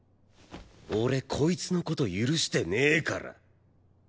俺こいつの事許してねえから。